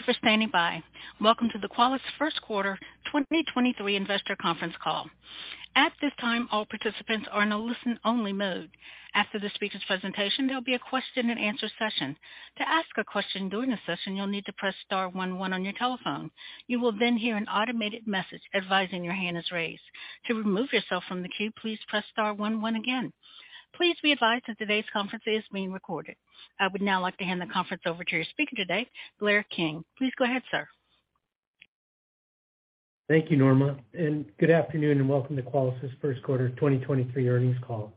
Thank you for standing by. Welcome to the Qualys First Quarter 2023 Investor Conference Call. At this time, all participants are in a listen-only mode. After the speakers presentation, there'll be a question-and-answer session. To ask a question during the session, you'll need to press star one one on your telephone. You will then hear an automated message advising your hand is raised. To remove yourself from the queue, please press star one one again. Please be advised that today's conference is being recorded. I would now like to hand the conference over to your speaker today, Blair King. Please go ahead, sir. Thank you, Norma, and good afternoon and welcome to Qualys' First Quarter 2023 earnings call.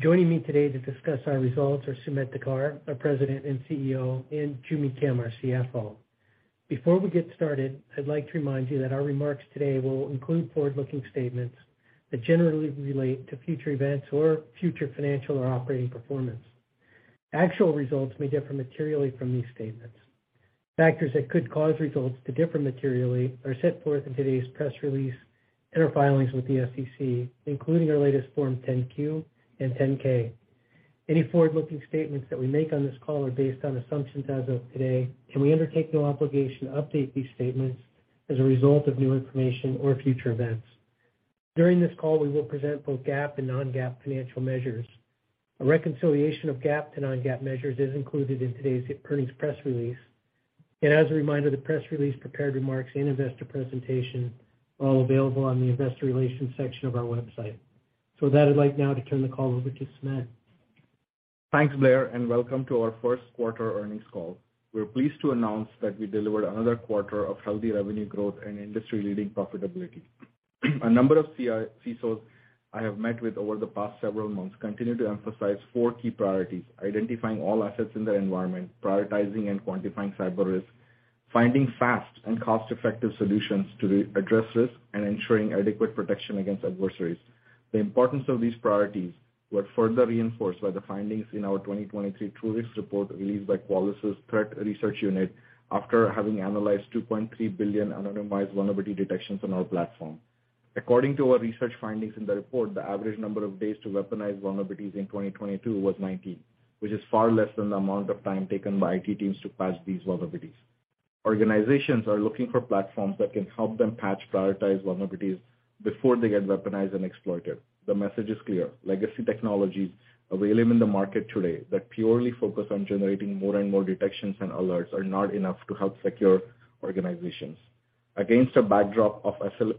Joining me today to discuss our results are Sumedh Thakar, our President and CEO, and Jimmy Kim, our CFO. Before we get started, I'd like to remind you that our remarks today will include forward-looking statements that generally relate to future events or future financial or operating performance. Actual results may differ materially from these statements. Factors that could cause results to differ materially are set forth in today's press release and our filings with the SEC, including our latest Form 10-Q and 10-K. Any forward-looking statements that we make on this call are based on assumptions as of today, and we undertake no obligation to update these statements as a result of new information or future events. During this call, we will present both GAAP and non-GAAP financial measures. A reconciliation of GAAP to non-GAAP measures is included in today's earnings press release. As a reminder, the press release, prepared remarks and investor presentation are all available on the investor relations section of our website. With that, I'd like now to turn the call over to Sumedh. Thanks, Blair, and welcome to our first quarter earnings call. We're pleased to announce that we delivered another quarter of healthy revenue growth and industry-leading profitability. A number of CISOs I have met with over the past several months continue to emphasize four key priorities, identifying all assets in their environment, prioritizing and quantifying cyber risk, finding fast and cost-effective solutions to address risk, and ensuring adequate protection against adversaries. The importance of these priorities were further reinforced by the findings in our 2023 TruRisk report released by Qualys' threat research unit after having analyzed 2.3 billion anonymized vulnerability detections on our platform. According to our research findings in the report, the average number of days to weaponize vulnerabilities in 2022 was 19, which is far less than the amount of time taken by IT teams to patch these vulnerabilities. Organizations are looking for platforms that can help them patch prioritize vulnerabilities before they get weaponized and exploited. The message is clear. Legacy technologies available in the market today that purely focus on generating more and more detections and alerts are not enough to help secure organizations. Against a backdrop of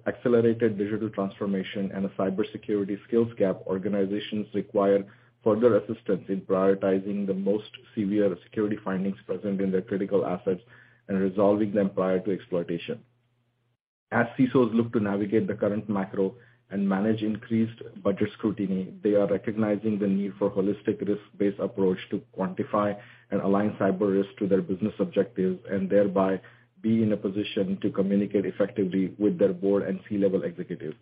accelerated digital transformation and a Cybersecurity skills gap, organizations require further assistance in prioritizing the most severe security findings present in their critical assets and resolving them prior to exploitation. As CISOs look to navigate the current macro and manage increased budget scrutiny, they are recognizing the need for holistic risk-based approach to quantify and align cyber risk to their business objectives and thereby be in a position to communicate effectively with their board and C-level executives.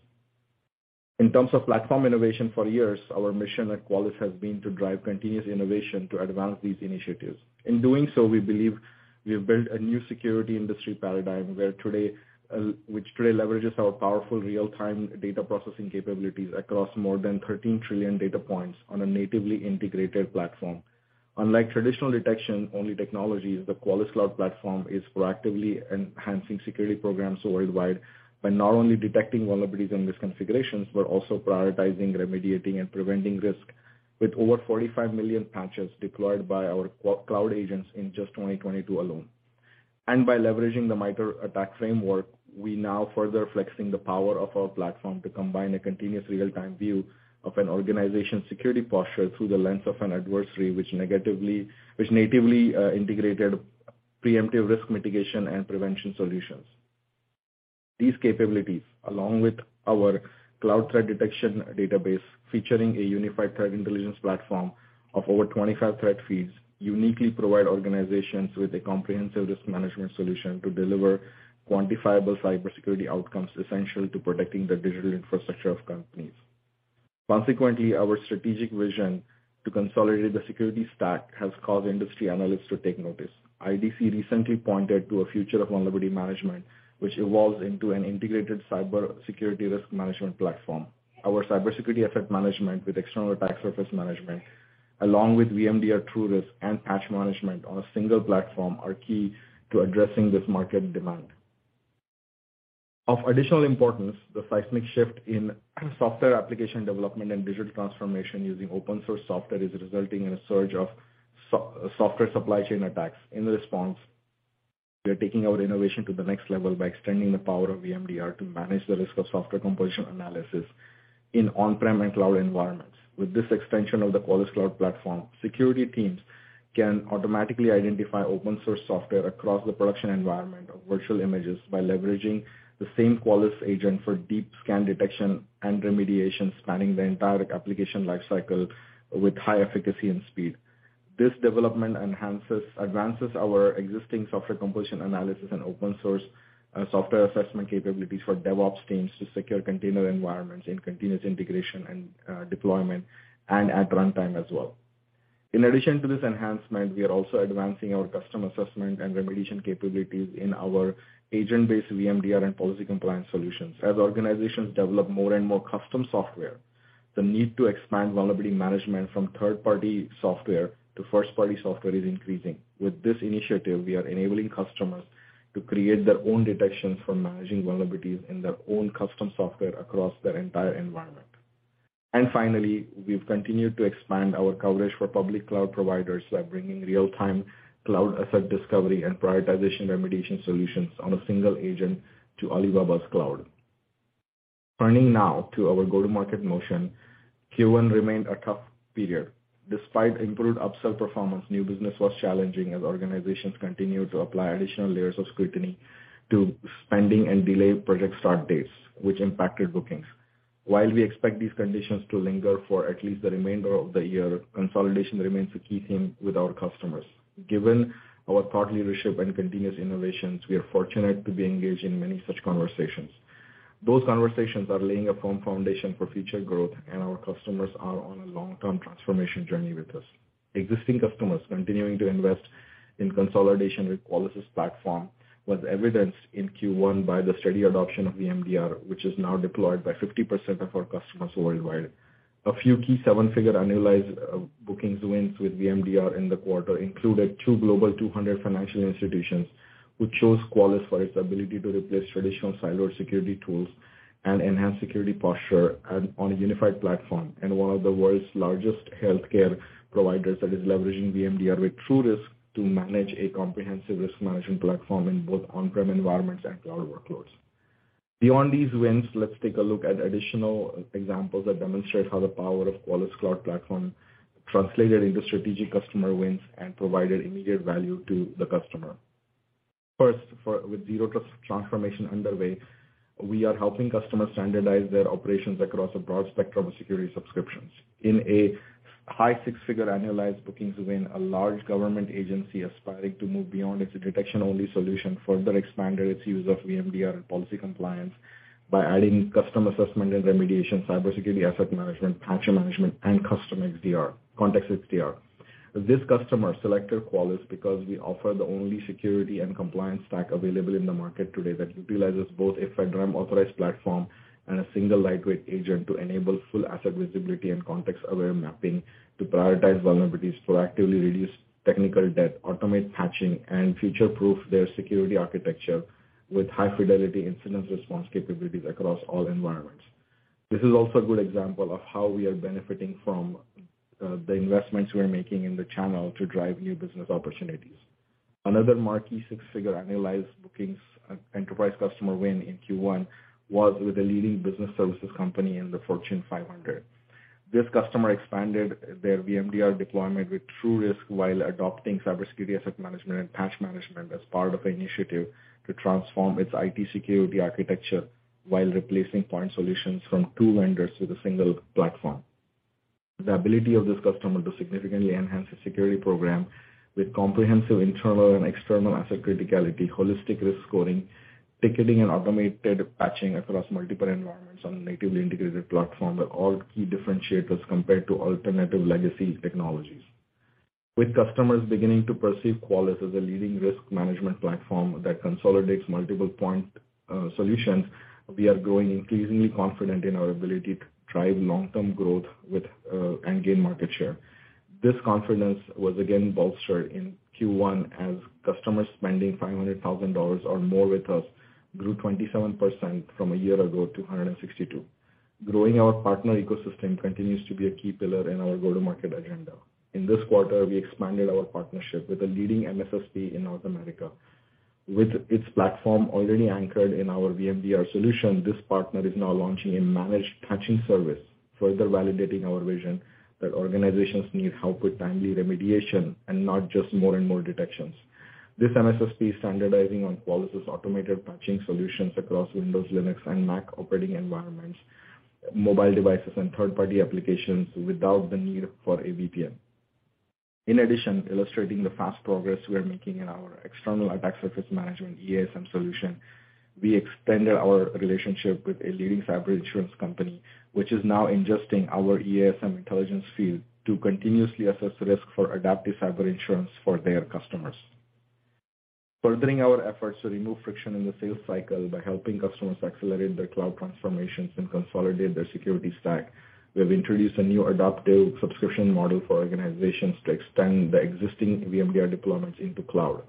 In terms of platform innovation, for years, our mission at Qualys has been to drive continuous innovation to advance these initiatives. In doing so, we believe we have built a new security industry paradigm where today, which today leverages our powerful real-time data processing capabilities across more than 13 trillion data points on a natively integrated platform. Unlike traditional detection-only technologies, the Qualys Cloud Platform is proactively enhancing security programs worldwide by not only detecting vulnerabilities and misconfigurations, but also prioritizing, remediating and preventing risk with over 45 million patches deployed by our Qualys cloud agents in just 2022 alone. By leveraging the MITRE ATT&CK framework, we now further flexing the power of our platform to combine a continuous real-time view of an organization's security posture through the lens of an adversary which natively integrated preemptively risk mitigation and prevention solutions. These capabilities, along with our cloud threat detection database featuring a unified threat intelligence platform of over 25 threat feeds, uniquely provide organizations with a comprehensive risk management solution to deliver quantifiable cybersecurity outcomes essential to protecting the digital infrastructure of companies. Consequently, our strategic vision to consolidate the security stack has caused industry analysts to take notice. IDC recently pointed to a future of vulnerability management, which evolves into an integrated cybersecurity risk management platform. Our CyberSecurity Asset Management with External Attack Surface Management, along with VMDR TruRisk and Patch Management on a single platform are key to addressing this market demand. Of additional importance, the seismic shift in software application development and digital transformation using open-source software is resulting in a surge of software supply chain attacks. In response, we are taking our innovation to the next level by extending the power of VMDR to manage the risk of Software Composition Analysis in on-prem and cloud environments. With this extension of the Qualys Cloud Platform, security teams can automatically identify open source software across the production environment of virtual images by leveraging the same Qualys agent for deep scan detection and remediation, spanning the entire application lifecycle with high efficacy and speed. This development advances our existing Software Composition Analysis and open source software assessment capabilities for DevOps teams to secure container environments in continuous integration and deployment and at runtime as well. We are also advancing our custom assessment and remediation capabilities in our agent-based VMDR and policy compliance solutions. As organizations develop more and more custom software. The need to expand vulnerability management from third-party software to first-party software is increasing. With this initiative, we are enabling customers to create their own detections for managing vulnerabilities in their own custom software across their entire environment. Finally, we've continued to expand our coverage for public cloud providers by bringing real-time cloud asset discovery and prioritization remediation solutions on a single agent to Alibaba Cloud. Turning now to our go-to-market motion, Q1 remained a tough period. Despite improved upsell performance, new business was challenging as organizations continued to apply additional layers of scrutiny to spending and delay project start dates, which impacted bookings. While we expect these conditions to linger for at least the remainder of the year, consolidation remains a key theme with our customers. Given our thought leadership and continuous innovations, we are fortunate to be engaged in many such conversations. Those conversations are laying a firm foundation for future growth. Our customers are on a long-term transformation journey with us. Existing customers continuing to invest in consolidation with Qualys' platform was evidenced in Q1 by the steady adoption of VMDR, which is now deployed by 50% of our customers worldwide. A few key seven-figure annualized bookings wins with VMDR in the quarter included two Global 200 financial institutions who chose Qualys for its ability to replace traditional siloed security tools and enhance security posture on a unified platform, and one of the world's largest healthcare providers that is leveraging VMDR with TruRisk to manage a comprehensive risk management platform in both on-prem environments and cloud workloads. Beyond these wins, let's take a look at additional examples that demonstrate how the power of Qualys Cloud Platform translated into strategic customer wins and provided immediate value to the customer. First, with zero trust transformation underway, we are helping customers standardize their operations across a broad spectrum of security subscriptions. In a high six-figure annualized bookings win, a large government agency aspiring to move beyond its detection-only solution further expanded its use of VMDR and policy compliance by adding custom assessment and remediation, CyberSecurity Asset Management, Patch Management, and Context XDR. This customer selected Qualys because we offer the only security and compliance stack available in the market today that utilizes both a FedRAMP-authorized platform and a single lightweight agent to enable full asset visibility and context-aware mapping to prioritize vulnerabilities, proactively reduce technical debt, automate Patch Management, and future-proof their security architecture with high-fidelity incident response capabilities across all environments. This is also a good example of how we are benefiting from the investments we are making in the channel to drive new business opportunities. Another marquee six-figure annualized bookings enterprise customer win in Q1 was with a leading business services company in the Fortune 500. This customer expanded their VMDR deployment with TruRisk while adopting CyberSecurity Asset Management and Patch Management as part of an initiative to transform its IT security architecture while replacing point solutions from two vendors with a single platform. The ability of this customer to significantly enhance the security program with comprehensive internal and external asset criticality, holistic risk scoring, ticketing and automated patching across multiple environments on a natively integrated platform are all key differentiators compared to alternative legacy technologies. With customers beginning to perceive Qualys as a leading risk management platform that consolidates multiple point solutions, we are growing increasingly confident in our ability to drive long-term growth with and gain market share. This confidence was again bolstered in Q1 as customer spending $500,000 or more with us grew 27% from a year ago to 162. Growing our partner ecosystem continues to be a key pillar in our go-to-market agenda. In this quarter, we expanded our partnership with a leading MSSP in North America. With its platform already anchored in our VMDR solution, this partner is now launching a managed patching service, further validating our vision that organizations need help with timely remediation and not just more and more detections. This MSSP is standardizing on Qualys' automated patching solutions across Windows, Linux, and Mac operating environments, mobile devices, and third-party applications without the need for a VPN. Illustrating the fast progress we are making in our External Attack Surface Management, EASM solution, we extended our relationship with a leading cyber insurance company, which is now ingesting our EASM intelligence feed to continuously assess risk for adaptive cyber insurance for their customers. Furthering our efforts to remove friction in the sales cycle by helping customers accelerate their cloud transformations and consolidate their security stack, we have introduced a new adaptive subscription model for organizations to extend the existing VMDR deployments into cloud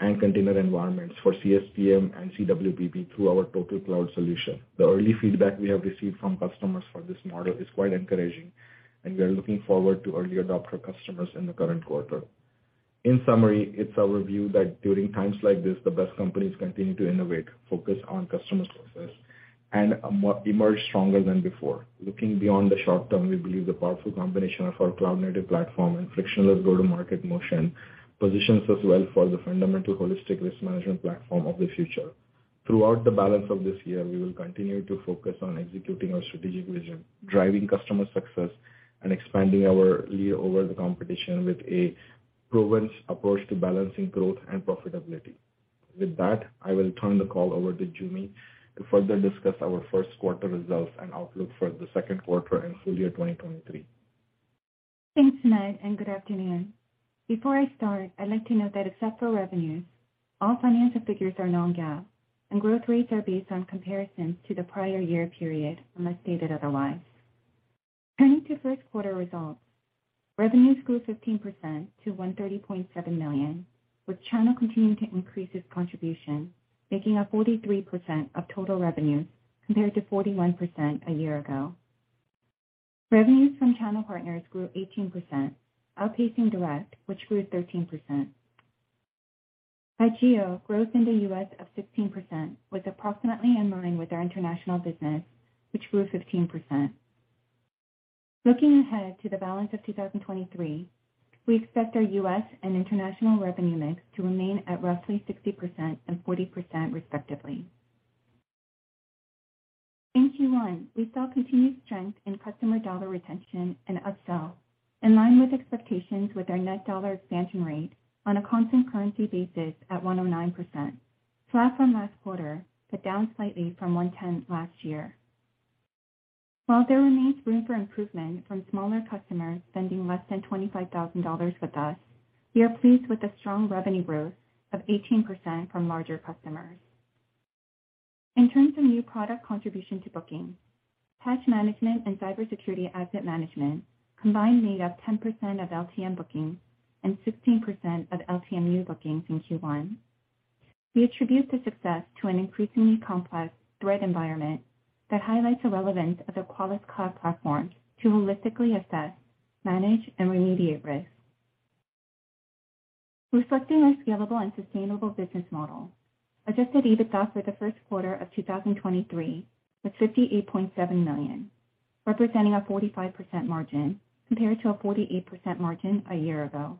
and container environments for CSPM and CWPP through our TotalCloud solution. The early feedback we have received from customers for this model is quite encouraging. We are looking forward to early adopter customers in the current quarter. In summary, it's our view that during times like this, the best companies continue to innovate, focus on customer success, and emerge stronger than before. Looking beyond the short term, we believe the powerful combination of our cloud-native platform and frictionless go-to-market motion positions us well for the fundamental holistic risk management platform of the future. Throughout the balance of this year, we will continue to focus on executing our strategic vision, driving customer success, and expanding our lead over the competition with a proven approach to balancing growth and profitability. With that, I will turn the call over to Jimmy to further discuss our first quarter results and outlook for the second quarter and full year 2023. Thanks, Sumedh. Good afternoon. Before I start, I'd like to note that except for revenues, all financial figures are non-GAAP and growth rates are based on comparisons to the prior year period, unless stated otherwise. Turning to first quarter results. Revenues grew 15% to $130.7 million, with channel continuing to increase its contribution, making up 43% of total revenues compared to 41% a year ago. Revenues from channel partners grew 18%, outpacing direct, which grew 13%. By geo, growth in the U.S. of 16% was approximately in line with our international business, which grew 15%. Looking ahead to the balance of 2023, we expect our U.S. and international revenue mix to remain at roughly 60% and 40% respectively. In Q1, we saw continued strength in customer dollar retention and upsell, in line with expectations with our Net Dollar Expansion Rate on a constant currency basis at 109%, flat from last quarter, but down slightly from 110% last year. While there remains room for improvement from smaller customers spending less than $25,000 with us, we are pleased with the strong revenue growth of 18% from larger customers. In terms of new product contribution to bookings, Patch Management and CyberSecurity Asset Management combined made up 10% of LTM bookings and 16% of LTM new bookings in Q1. We attribute the success to an increasingly complex threat environment that highlights the relevance of the Qualys Cloud Platform to holistically assess, manage, and remediate risk. Reflecting our scalable and sustainable business model, adjusted EBITDA for the first quarter of 2023 was $58.7 million, representing a 45% margin compared to a 48% margin a year ago.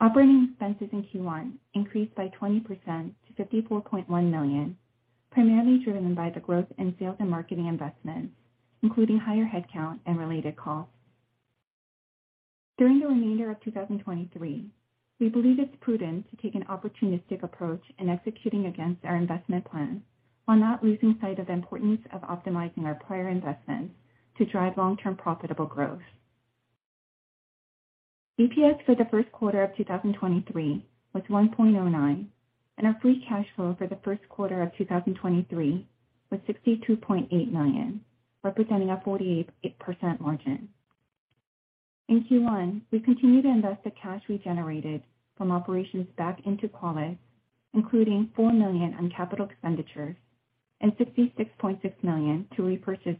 Operating expenses in Q1 increased by 20% to $54.1 million, primarily driven by the growth in sales and marketing investments, including higher headcount and related costs. During the remainder of 2023, we believe it's prudent to take an opportunistic approach in executing against our investment plan while not losing sight of the importance of optimizing our prior investments to drive long-term profitable growth. EPS for the first quarter of 2023 was $1.09, and our free cash flow for the first quarter of 2023 was $62.8 million, representing a 48% margin. In Q1, we continued to invest the cash we generated from operations back into Qualys, including $4 million on capital expenditures and $66.6 million to repurchase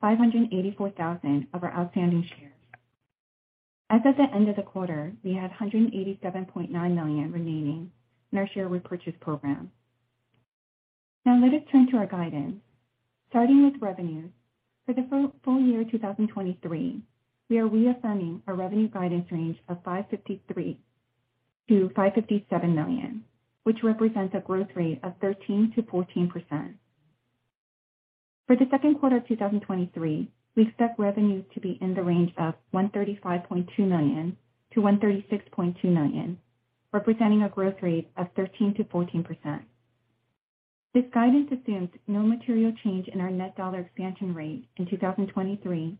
584,000 of our outstanding shares. As at the end of the quarter, we had $187.9 million remaining in our share repurchase program. Let us turn to our guidance. Starting with revenues, for the full year 2023, we are reaffirming our revenue guidance range of $553 million-$557 million, which represents a growth rate of 13%-14%. For the second quarter of 2023, we expect revenues to be in the range of $135.2 million-$136.2 million, representing a growth rate of 13%-14%. This guidance assumes no material change in our Net Dollar Expansion Rate in 2023,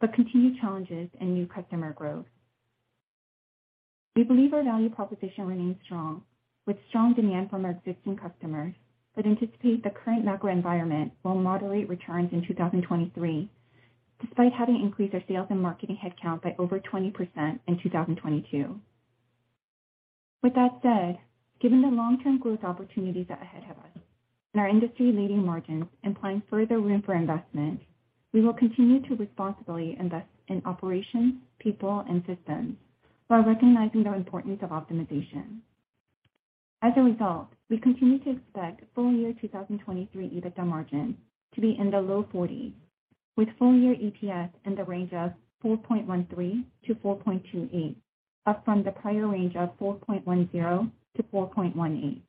but continued challenges in new customer growth. We believe our value proposition remains strong, with strong demand from our existing customers that anticipate the current macro environment will moderate returns in 2023, despite having increased our sales and marketing headcount by over 20% in 2022. With that said, given the long-term growth opportunities that ahead have us and our industry-leading margins implying further room for investment, we will continue to responsibly invest in operations, people, and systems while recognizing the importance of optimization. As a result, we continue to expect full year 2023 EBITDA margin to be in the low 40s, with full year EPS in the range of $4.13-$4.28, up from the prior range of $4.10-$4.18.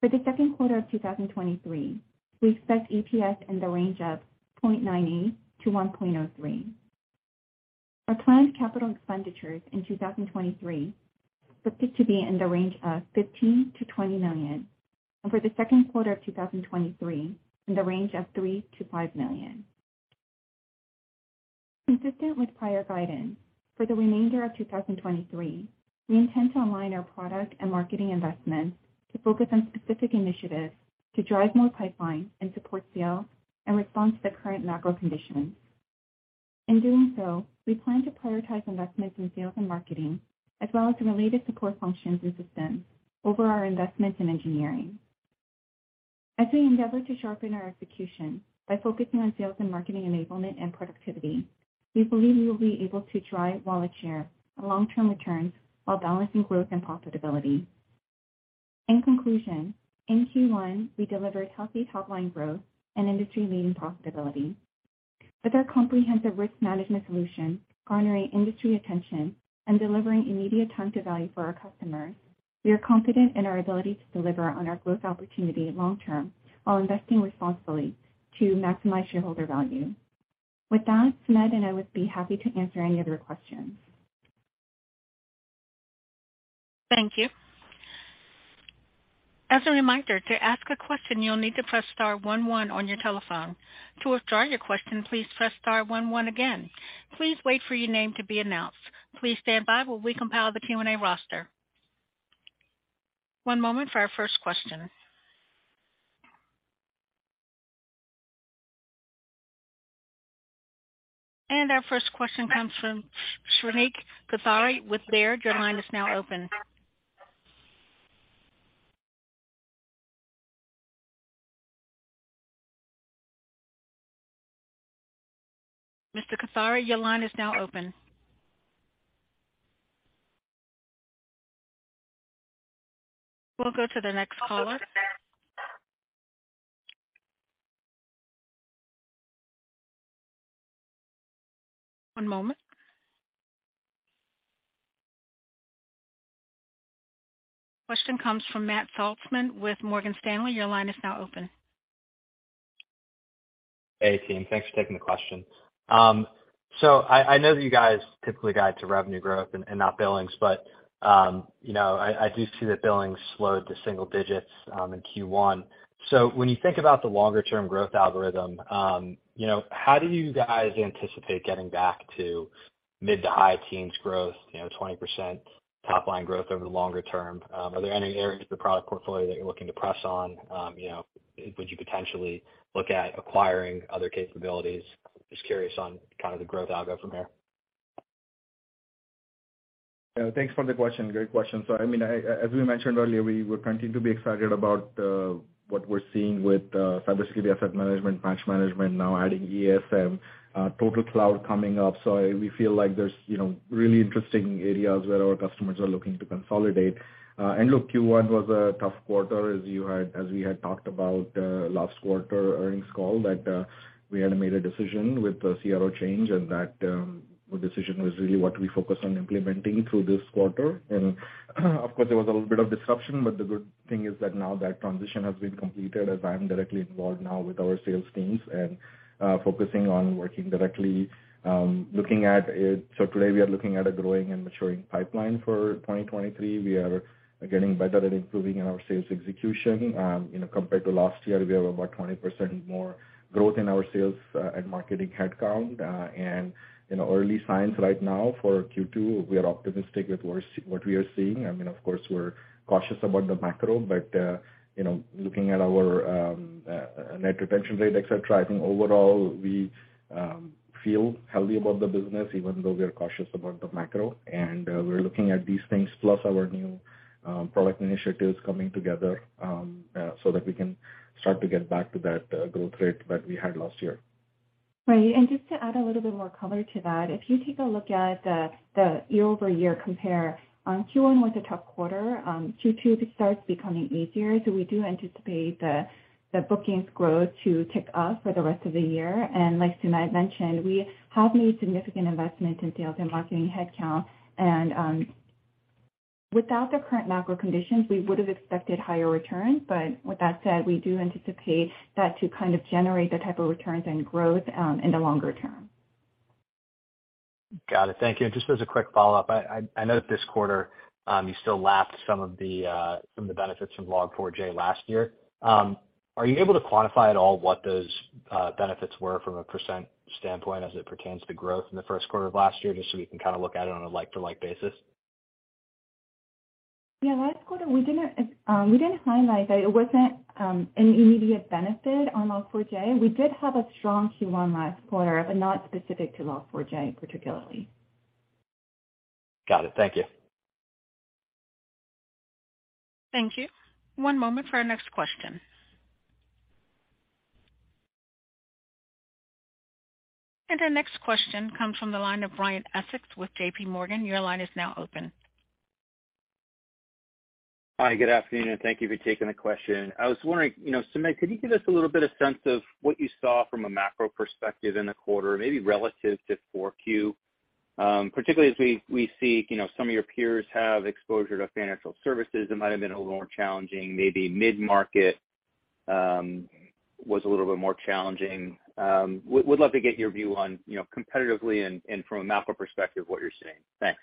For the second quarter of 2023, we expect EPS in the range of $0.98-$1.03. Our planned capital expenditures in 2023 are fit to be in the range of $15 million-$20 million, and for the second quarter of 2023, in the range of $3 million-$5 million. Consistent with prior guidance, for the remainder of 2023, we intend to align our product and marketing investments to focus on specific initiatives to drive more pipeline and support sales in response to the current macro conditions. In doing so, we plan to prioritize investments in sales and marketing, as well as the related support functions and systems over our investments in engineering. As we endeavor to sharpen our execution by focusing on sales and marketing enablement and productivity, we believe we will be able to drive wallet share and long-term returns while balancing growth and profitability. In conclusion, in Q1, we delivered healthy top line growth and industry-leading profitability. With our comprehensive risk management solution garnering industry attention and delivering immediate time to value for our customers, we are confident in our ability to deliver on our growth opportunity long term while investing responsibly to maximize shareholder value. With that, Sumedh and I would be happy to answer any of your questions. Thank you. As a reminder, to ask a question, you'll need to press star one one on your telephone. To withdraw your question, please press star one one again. Please wait for your name to be announced. Please stand by while we compile the Q&A roster. One moment for our first question. Our first question comes from Shrenik Kothari with Baird. Your line is now open. Mr. Kothari, your line is now open. We'll go to the next caller. One moment. Question comes from Saket Kalia with Morgan Stanley. Your line is now open. Hey, team. Thanks for taking the question. I know that you guys typically guide to revenue growth and not billings, you know, I do see that billings slowed to single digits in Q1. When you think about the longer term growth algorithm, you know, how do you guys anticipate getting back to mid-to-high teens growth, you know, 20% top line growth over the longer term? Are there any areas of the product portfolio that you're looking to press on? You know, would you potentially look at acquiring other capabilities? Just curious on kind of the growth algo from here. Thanks for the question. Great question. I mean, as we mentioned earlier, we continue to be excited about what we're seeing with CyberSecurity Asset Management, Patch Management, now adding EASM, TotalCloud coming up. We feel like there's, you know, really interesting areas where our customers are looking to consolidate. And look, Q1 was a tough quarter, as we had talked about last quarter earnings call, that we had to make a decision with the CRO change and that decision was really what we focused on implementing through this quarter. And of course, there was a little bit of disruption, but the good thing is that now that transition has been completed as I am directly involved now with our sales teams and focusing on working directly, looking at it. Today, we are looking at a growing and maturing pipeline for 2023. We are getting better at improving our sales execution. You know, compared to last year, we have about 20% more growth in our sales and marketing headcount. You know, early signs right now for Q2, we are optimistic with what we are seeing. I mean, of course, we're cautious about the macro, but, you know, looking at our net retention rate, et cetera, I think overall we feel healthy about the business even though we are cautious about the macro. We're looking at these things plus our new product initiatives coming together so that we can start to get back to that growth rate that we had last year. Right. Just to add a little bit more color to that, if you take a look at the year-over-year compare, Q1 was a tough quarter. Q2 starts becoming easier. We do anticipate the bookings growth to tick up for the rest of the year. Like Sumedh mentioned, we have made significant investments in sales and marketing headcount. Without the current macro conditions, we would have expected higher returns. With that said, we do anticipate that to kind of generate the type of returns and growth in the longer term. Got it. Thank you. Just as a quick follow-up, I know this quarter, you still lapped some of the benefits from Log4j last year. Are you able to quantify at all what those benefits were from a % standpoint as it pertains to growth in the first quarter of last year, just so we can kind of look at it on a like-to-like basis? Yeah. Last quarter, it wasn't an immediate benefit on Log4J. We did have a strong Q1 last quarter, but not specific to Log4J particularly. Got it. Thank you. Thank you. One moment for our next question. Our next question comes from the line of Brian Essex with JPMorgan. Your line is now open. Hi, good afternoon, thank you for taking the question. I was wondering, you know, Sumedh, could you give us a little bit of sense of what you saw from a macro perspective in the quarter, maybe relative to 4Q, particularly as we see, you know, some of your peers have exposure to financial services that might have been a little more challenging. Maybe mid-market was a little bit more challenging. Would love to get your view on, you know, competitively and from a macro perspective, what you're seeing. Thanks.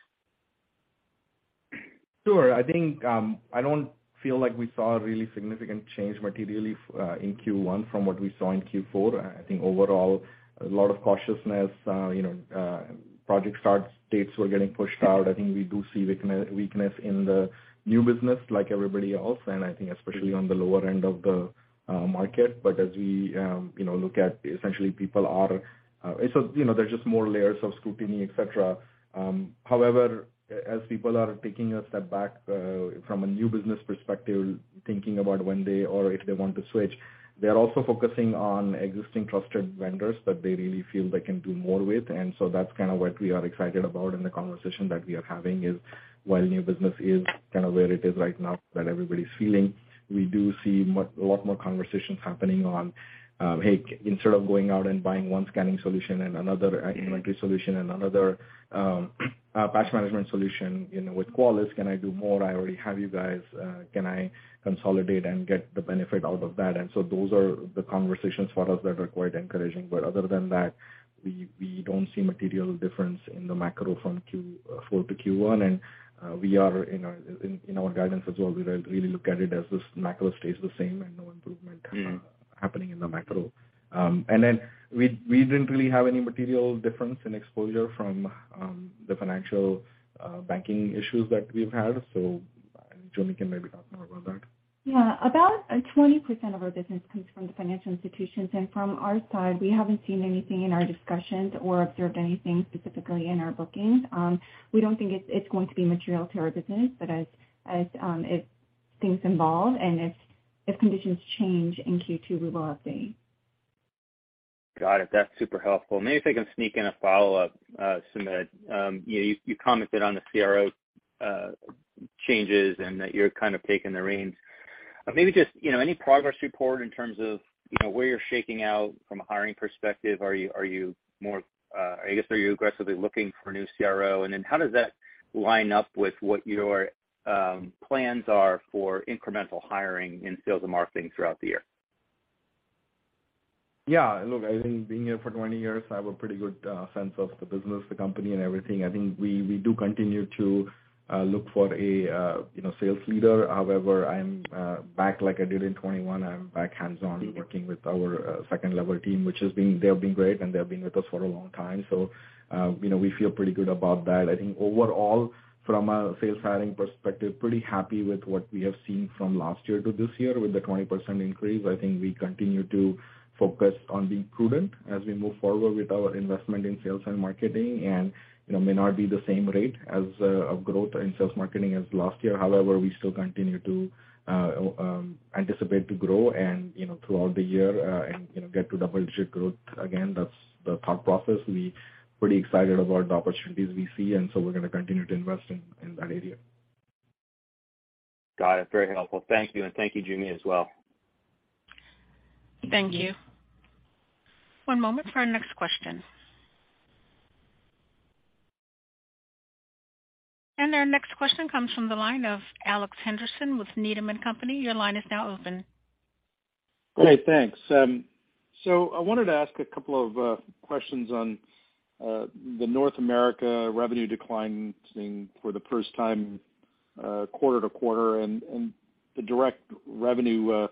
Sure. I think, I don't feel like we saw a really significant change materially in Q1 from what we saw in Q4. I think overall, a lot of cautiousness, you know, project start dates were getting pushed out. I think we do see weakness in the new business like everybody else, and I think especially on the lower end of the market. As we, you know, look at essentially people are... you know, there's just more layers of scrutiny, et cetera. However, as people are taking a step back, from a new business perspective, thinking about when they or if they want to switch, they're also focusing on existing trusted vendors that they really feel they can do more with. That's kinda what we are excited about in the conversation that we are having is, while new business is kinda where it is right now that everybody's feeling, we do see a lot more conversations happening on, hey, instead of going out and buying one scanning solution and another inventory solution and another Patch Management solution, you know, with Qualys, can I do more? I already have you guys, can I consolidate and get the benefit out of that? Those are the conversations for us that are quite encouraging. Other than that, we don't see material difference in the macro from Q4 to Q1. We are in our guidance as well, we really look at it as this macro stays the same and no improvement happening in the macro. Then we didn't really have any material difference in exposure from the financial banking issues that we've had. Jimmy can maybe talk more about that. Yeah. About 20% of our business comes from the financial institutions. From our side, we haven't seen anything in our discussions or observed anything specifically in our bookings. We don't think it's going to be material to our business. As if things evolve and if conditions change in Q2, we will update. Got it. That's super helpful. Maybe if I can sneak in a follow-up, Sumedh. You commented on the CRO changes and that you're kind of taking the reins. Maybe just, you know, any progress report in terms of, you know, where you're shaking out from a hiring perspective? Are you more, I guess are you aggressively looking for a new CRO? And then how does that line up with what your plans are for incremental hiring in sales and marketing throughout the year? Look, I think being here for 20 years, I have a pretty good sense of the business, the company and everything. I think we do continue to look for a, you know, sales leader. However, I'm back like I did in 2021. I'm back hands-on working with our second-level team, they have been great, and they have been with us for a long time. You know, we feel pretty good about that. I think overall, from a sales hiring perspective, pretty happy with what we have seen from last year to this year with the 20% increase. I think we continue to focus on being prudent as we move forward with our investment in sales and marketing. You know, may not be the same rate as of growth in sales marketing as last year. We still continue to anticipate to grow and, you know, throughout the year, and, you know, get to double-digit growth again. That's the thought process. We pretty excited about the opportunities we see, we're gonna continue to invest in that area. Got it. Very helpful. Thank you. Thank you, Jimmy, as well. Thank you. One moment for our next question. Our next question comes from the line of Alex Henderson with Needham & Company. Your line is now open. Great, thanks. I wanted to ask a couple of questions on the North America revenue declining for the first time, quarter to quarter, and the direct revenue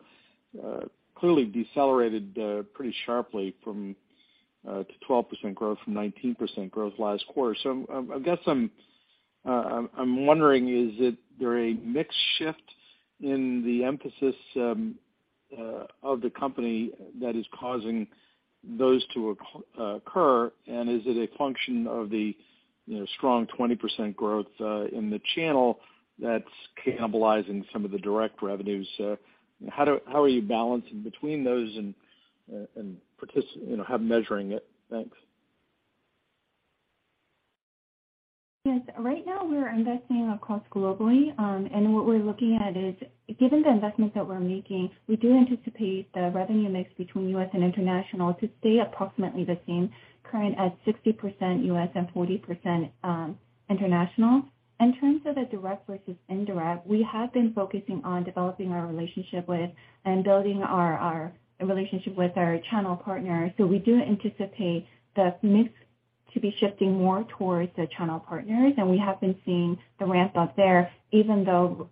clearly decelerated pretty sharply from to 12% growth from 19% growth last quarter. I've got some. I'm wondering, is it there a mix shift in the emphasis of the company that is causing those to occur? Is it a function of the, you know, strong 20% growth in the channel that's cannibalizing some of the direct revenues? How are you balancing between those and you know, how measuring it? Thanks. Yes. Right now we're investing across globally. What we're looking at is, given the investments that we're making, we do anticipate the revenue mix between U.S. and international to stay approximately the same, current at 60% U.S. and 40% international. In terms of the direct versus indirect, we have been focusing on developing our relationship with and building our relationship with our channel partners. We do anticipate the mix to be shifting more towards the channel partners, and we have been seeing the ramp up there, even though,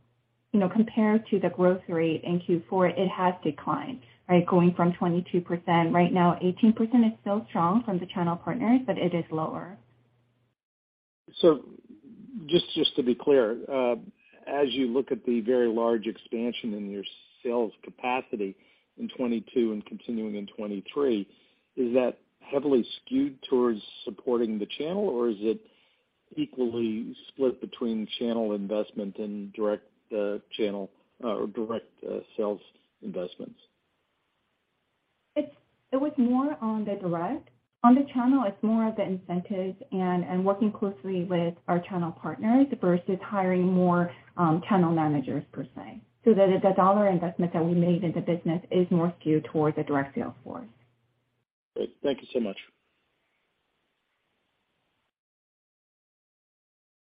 you know, compared to the growth rate in Q4, it has declined, right? Going from 22%. Right now, 18% is still strong from the channel partners, but it is lower. Just to be clear, as you look at the very large expansion in your sales capacity in 2022 and continuing in 2023, is that heavily skewed towards supporting the channel, or is it equally split between channel investment and direct, channel, or direct, sales investments? It was more on the direct. On the channel, it's more of the incentives and working closely with our channel partners versus hiring more channel managers per se. The dollar investment that we made in the business is more skewed towards the direct sales force. Great. Thank you so much.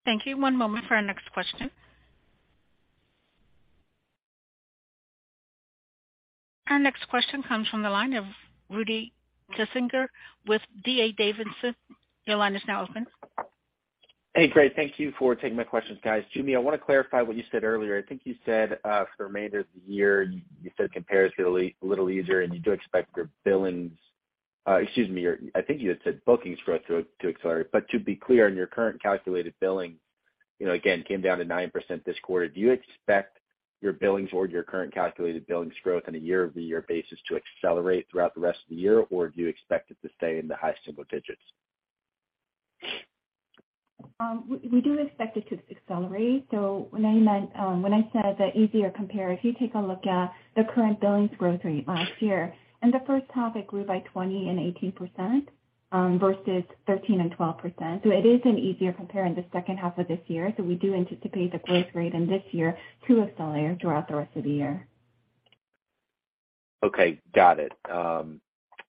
Thank you. One moment for our next question. Our next question comes from the line of Rudy Kessinger with D.A. Davidson. Your line is now open. Hey, great. Thank you for taking my questions, guys. Jimmy, I wanna clarify what you said earlier. I think you said for the remainder of the year, you said compares get a little easier, and you do expect your billings... excuse me, I think you had said bookings growth to accelerate. To be clear on your current calculated billing, you know, again, came down to 9% this quarter. Do you expect your billings or your current calculated billings growth on a year-over-year basis to accelerate throughout the rest of the year, or do you expect it to stay in the high single digits? We do expect it to accelerate. When I meant, when I said the easier compare, if you take a look at the current billings growth rate last year, in the first half it grew by 20% and 18%, versus 13% and 12%. It is an easier compare in the second half of this year. We do anticipate the growth rate in this year to accelerate throughout the rest of the year. Okay, got it.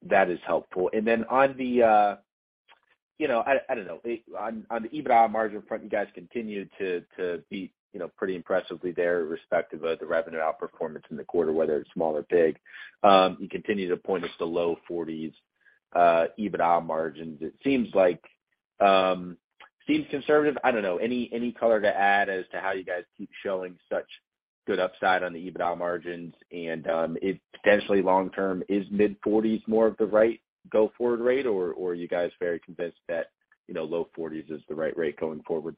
That is helpful. On the, you know, I don't know. On the EBITDA margin front, you guys continue to be, you know, pretty impressively there irrespective of the revenue outperformance in the quarter, whether it's small or big. You continue to point us to low 40s EBITDA margins. It seems like, seems conservative. I don't know. Any color to add as to how you guys keep showing such good upside on the EBITDA margins, and it potentially long term is mid-40s more of the right go forward rate or are you guys very convinced that, you know, low 40s is the right rate going forward?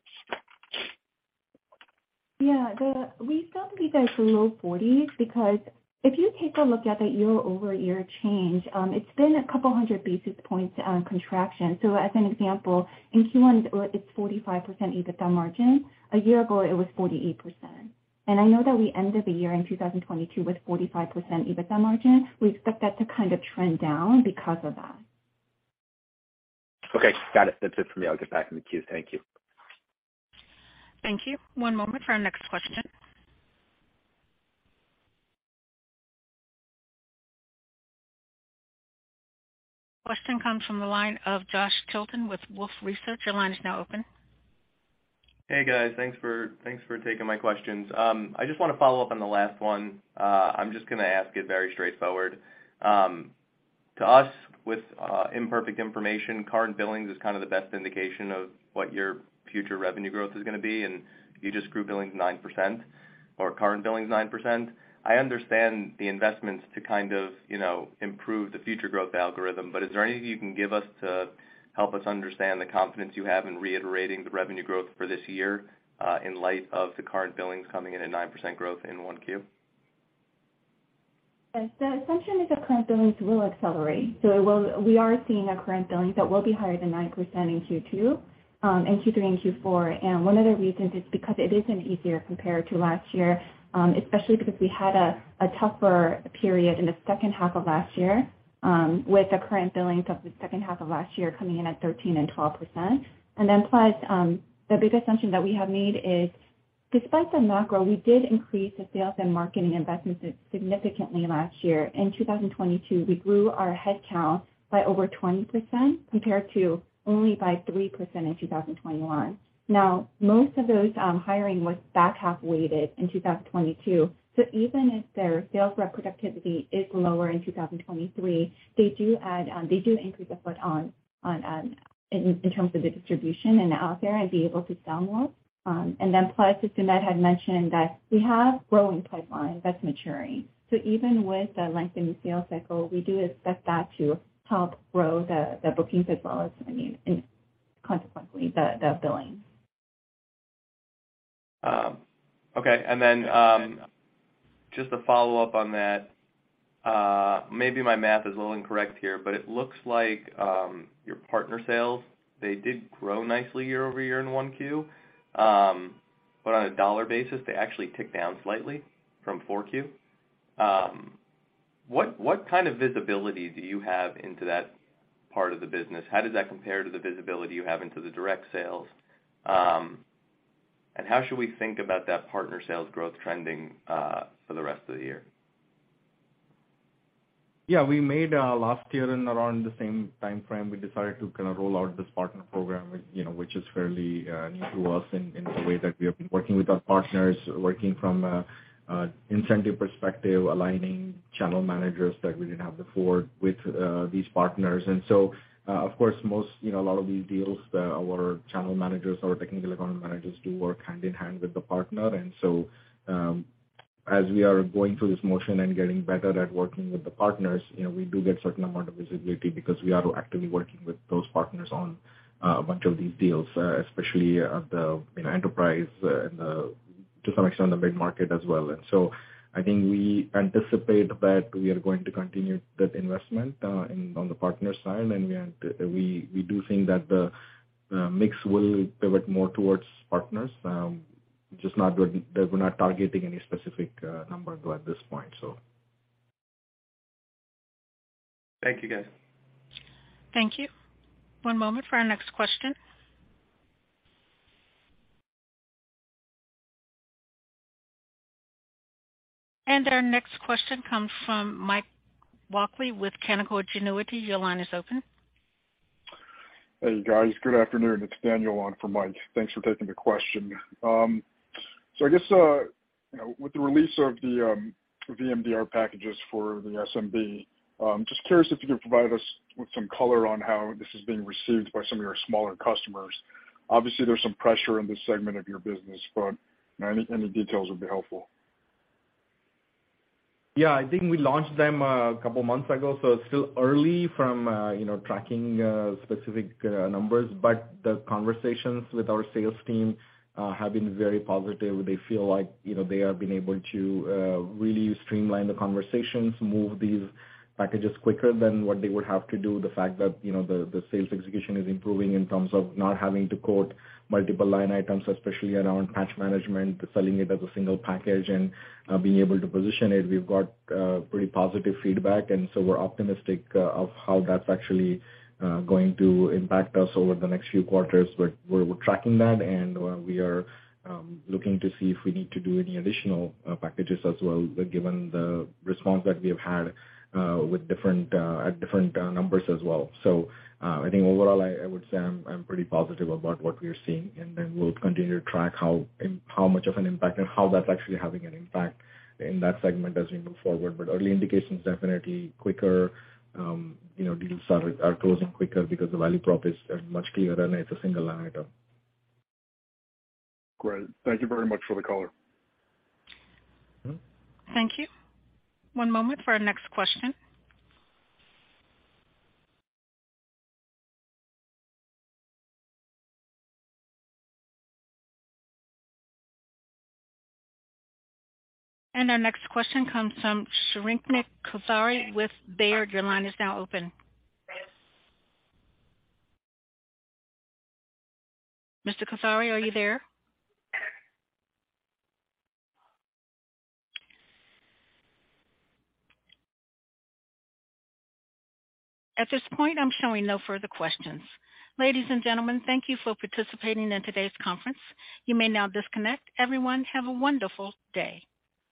We still believe that it's low 40s because if you take a look at the year-over-year change, it's been a couple hundred basis points on contraction. As an example, in Q1 it's 45% EBITDA margin. A year ago, it was 48%. I know that we ended the year in 2022 with 45% EBITDA margin. We expect that to kind of trend down because of that. Okay, got it. That's it for me. I'll get back in the queue. Thank you. Thank you. One moment for our next question. Question comes from the line of Josh Tilton with Wolfe Research. Your line is now open. Hey, guys. Thanks for taking my questions. I just wanna follow up on the last one. I'm just gonna ask it very straightforward. To us, with imperfect information, current billings is kinda the best indication of what your future revenue growth is gonna be, and you just grew billings 9% or current billings 9%. I understand the investments to kind of, you know, improve the future growth algorithm, but is there anything you can give us to help us understand the confidence you have in reiterating the revenue growth for this year, in light of the current billings coming in at 9% growth in 1Q? Yes. The assumption is that current billings will accelerate. So we are seeing a current billings that will be higher than 9% in Q2, in Q3 and Q4. One of the reasons is because it is an easier compared to last year, especially because we had a tougher period in the second half of last year, with the current billings of the second half of last year coming in at 13% and 12%. Then plus, the big assumption that we have made is despite the macro, we did increase the sales and marketing investments significantly last year. In 2022, we grew our headcount by over 20% compared to only by 3% in 2021. Now, most of those hiring was back half weighted in 2022. Even if their sales rep productivity is lower in 2023, they do add, they do increase the foot on in terms of the distribution and out there and be able to sell more. Plus, as Sumedh had mentioned that we have growing pipeline that's maturing. Even with the lengthening sales cycle, we do expect that to help grow the bookings as well as, and consequently the billing. Okay. Just to follow up on that, maybe my math is a little incorrect here, but it looks like your partner sales, they did grow nicely year-over-year in 1Q. On a dollar basis, they actually ticked down slightly from 4Q. What kind of visibility do you have into that part of the business? How does that compare to the visibility you have into the direct sales? How should we think about that partner sales growth trending for the rest of the year? Yeah, we made, last year in around the same timeframe, we decided to kinda roll out this partner program, you know, which is fairly new to us in the way that we have been working with our partners, working from a incentive perspective, aligning channel managers that we didn't have before with these partners. Of course, most, you know, a lot of these deals, our channel managers, our technical account managers do work hand in hand with the partner. As we are going through this motion and getting better at working with the partners, you know, we do get certain amount of visibility because we are actively working with those partners on a bunch of these deals, especially at the, you know, enterprise and to some extent the mid-market as well. I think we anticipate that we are going to continue that investment in, on the partner side. We do think that the mix will pivot more towards partners. Just not that we're not targeting any specific number at this point. Thank you, guys. Thank you. One moment for our next question. Our next question comes from Mike Walkley with Canaccord Genuity. Your line is open. Hey, guys. Good afternoon. It's Daniel on for Mike. Thanks for taking the question. I guess, you know, with the release of the VMDR packages for the SMB, just curious if you could provide us with some color on how this is being received by some of your smaller customers. Obviously, there's some pressure in this segment of your business, any details would be helpful. Yeah. I think we launched them a couple months ago, so it's still early from, you know, tracking specific numbers. The conversations with our sales team have been very positive. They feel like, you know, they have been able to really streamline the conversations, move these packages quicker than what they would have to do. The fact that, you know, the sales execution is improving in terms of not having to quote multiple line items, especially around Patch Management, selling it as a single package and being able to position it. We've got pretty positive feedback. We're optimistic of how that's actually going to impact us over the next few quarters. We're tracking that, and we are looking to see if we need to do any additional packages as well, given the response that we have had with different at different numbers as well. I think overall I would say I'm pretty positive about what we are seeing, and then we'll continue to track how much of an impact and how that's actually having an impact in that segment as we move forward. Early indications definitely quicker, you know, deals are closing quicker because the value prop is much clearer and it's a single line item. Great. Thank you very much for the color. Mm-hmm. Thank you. One moment for our next question. Our next question comes from Shrenik Kothari with Baird. Your line is now open. Mr. Kothari, are you there? At this point, I'm showing no further questions. Ladies and gentlemen, thank you for participating in today's conference. You may now disconnect. Everyone, have a wonderful day.